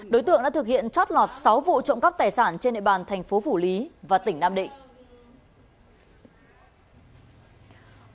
đối tượng đã thực hiện chót lọt sáu vụ trộm cắp tài sản trên địa bàn thành phố phủ lý và tỉnh nam định